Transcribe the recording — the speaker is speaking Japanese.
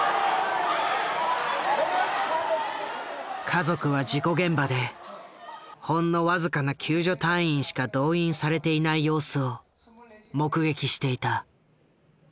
家族は事故現場でほんの僅かな救助隊員しか動員されていない様子を目撃していた。